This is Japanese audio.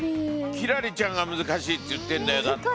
輝星ちゃんが難しいって言ってんだよだって。